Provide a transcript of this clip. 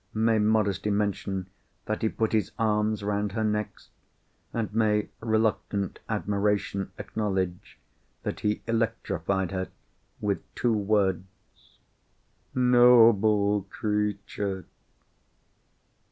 May modesty mention that he put his arms round her next? And may reluctant admiration acknowledge that he electrified her with two words? "Noble creature!"